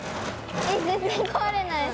全然壊れない。